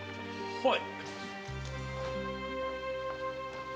はい。